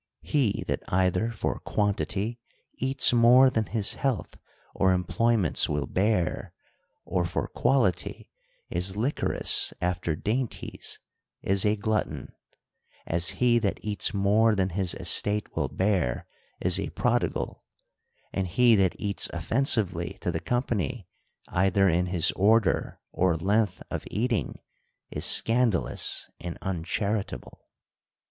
He that either for quantity eats more than his health or employments will bear, or for quality is Uquorous after dainties, is a glutton ;— as he that eats more than his estate will bear, is a prodigal ; and he that eats offen sively to the company, either in his order or length of eating, is scandalous and uncharitable.